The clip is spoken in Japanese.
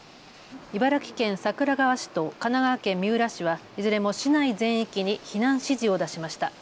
茨城県桜川市と神奈川県三浦市はいずれも市内全域に避難指示を出しました。